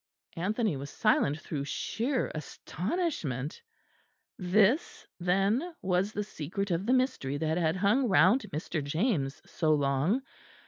Anthony was silent through sheer astonishment. This then was the secret of the mystery that had hung round Mr. James so long.